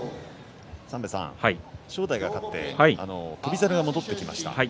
正代が勝って翔猿が戻ってきました。